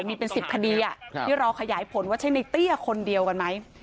มีเป็น๑๐คดีที่รอขยายผลว่าใช่ในเตี้ยคนเดียวกันไหม